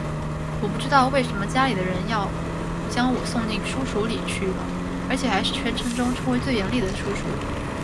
我不知道为什么家里的人要将我送进书塾里去了而且还是全城中称为最严厉的书塾